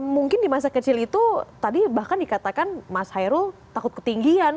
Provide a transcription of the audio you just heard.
mungkin di masa kecil itu tadi bahkan dikatakan mas hairul takut ketinggian